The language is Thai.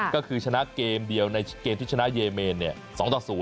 ก็คือชนะเกมเดียวในเกมที่ชนะเยเมน๒ต่อ๐